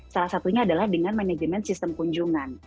salah satunya adalah dengan manajemen sistem kunjungan